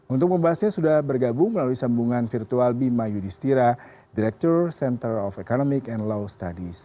untuk membahasnya sudah bergabung melalui sambungan virtual bima yudhistira direktur center of economic and law studies